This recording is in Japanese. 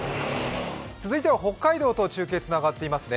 続いては北海道と中継つながっていますね。